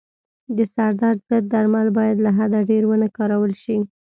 د سردرد ضد درمل باید له حده ډېر و نه کارول شي.